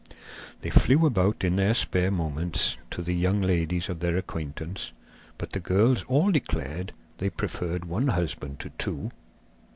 They flew about in their spare moments to the young ladies of their acquaintance, but the girls all declared they preferred one husband to two.